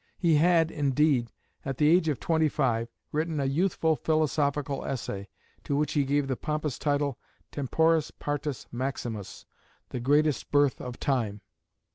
He had, indeed, at the age of twenty five, written a "youthful" philosophical essay, to which he gave the pompous title "Temporis Partus Maximus," "the Greatest Birth of Time."